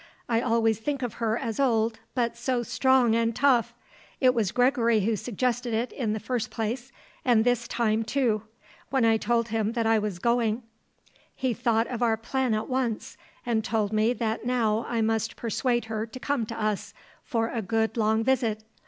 I always think of her as old, but so strong and tough. It was Gregory who suggested it, in the first place, and this time, too. When I told him that I was going he thought of our plan at once and told me that now I must persuade her to come to us for a good long visit.